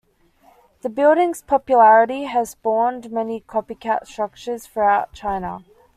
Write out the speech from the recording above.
The building's popularity has spawned many copycat structures throughout China.